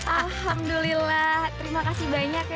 alhamdulillah terima kasih banyak ya